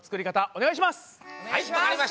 お願いします。